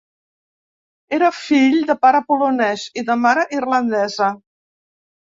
Era fill de pare polonès i de mare irlandesa.